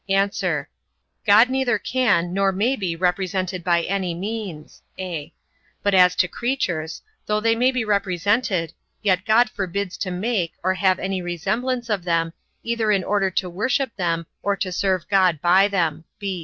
A. God neither can, nor may be represented by any means: (a) but as to creatures; though they may be represented, yet God forbids to make, or have any resemblance of them, either in order to worship them or to serve God by them.